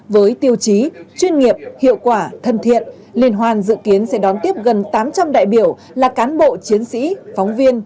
với tiêu chí chuyên nghiệp hiệu quả thân thiện liên hoan dự kiến sẽ đón tiếp gần tám trăm linh đại biểu là cán bộ chiến sĩ phóng viên